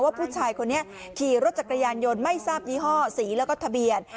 ผู้ชายคนนี้ขี่รถจักรยานยนต์ไม่ทราบยี่ห้อสีแล้วก็ทะเบียน